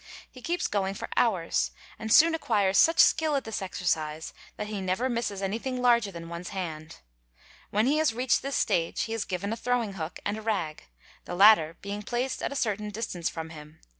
He keeps going for hours and soon acquires such skill at this exercise that he never misses anything larger than one's hand. When he has reached this stage he is given a throwing hook and arag, the latter being placed at a certain distance from him.